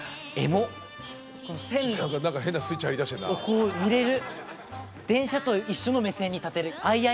こう見れる。